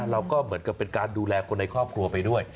เราก็เหมือนกับเป็นการดูแลคนในครอบครัวไปด้วย